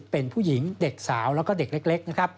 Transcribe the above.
๑๘๐เป็นผู้หญิงเด็กสาวและเด็กเล็ก